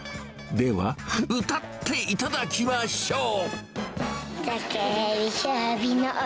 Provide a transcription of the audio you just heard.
では、歌っていただきましょう。